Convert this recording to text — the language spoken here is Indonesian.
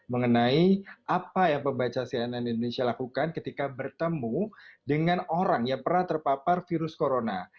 mengenai apa yang pembaca cnn indonesia lakukan ketika bertemu dengan orang yang pernah terpapar virus corona